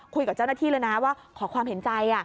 คุยกับเจ้าหน้าที่เลยนะว่าขอความเห็นใจ